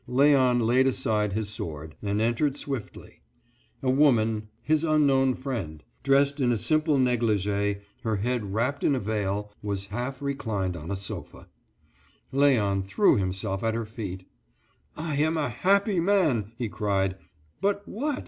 Léon laid aside his sword, and entered swiftly. A woman, his unknown friend, dressed in a simple négligé, her head wrapped in a veil, was half reclining on a sofa. Léon threw himself at her feet. "I am a happy man!" he cried. "But what?